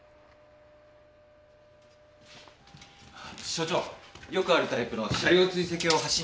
所長よくあるタイプの車両追跡用発信機でした。